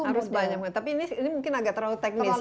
harus banyak tapi ini mungkin agak terlalu teknis ya